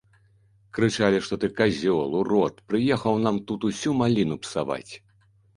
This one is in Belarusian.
Крычалі, што ты казёл, урод, прыехаў нам тут усю маліну псаваць.